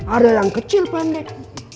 ada yang kecil pendek